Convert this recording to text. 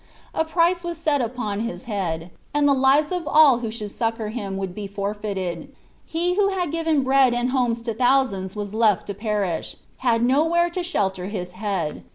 A price was set upon his head, and the lives of all who should succor him would be forfeited! He who had given bread and homes to thousands was left to perish had no where to shelter his head.